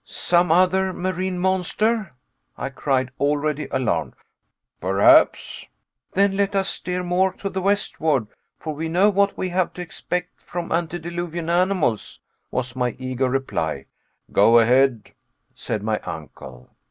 "Some other marine monster," I cried, already alarmed. "Perhaps." "Then let us steer more to the westward, for we know what we have to expect from antediluvian animals," was my eager reply. "Go ahead," said my uncle.